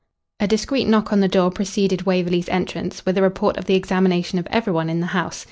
A discreet knock on the door preceded Waverley's entrance with a report of the examination of every one in the house.